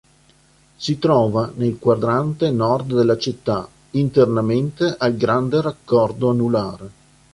Si trova nel quadrante nord della città, internamente al Grande Raccordo Anulare.